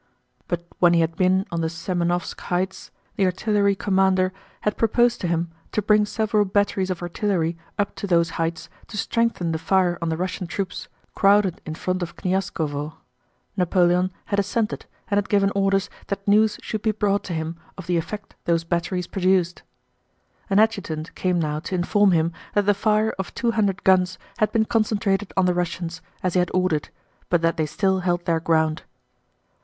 But when he had been on the Semënovsk heights the artillery commander had proposed to him to bring several batteries of artillery up to those heights to strengthen the fire on the Russian troops crowded in front of Knyazkóvo. Napoleon had assented and had given orders that news should be brought to him of the effect those batteries produced. An adjutant came now to inform him that the fire of two hundred guns had been concentrated on the Russians, as he had ordered, but that they still held their ground.